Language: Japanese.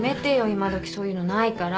今どきそういうのないから。